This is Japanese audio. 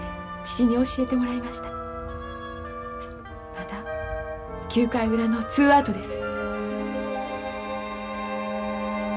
まだ９回裏のツーアウトです。